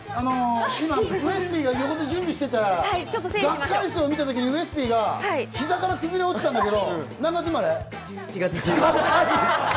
今、ウエスＰが横で準備していたらガッカりす見た時にウエスＰが膝から崩れ落ちたんだけど、何月生まれ？